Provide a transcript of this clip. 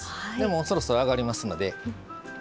そろそろ、あがりますので。